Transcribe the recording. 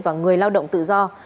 và người lao động tự do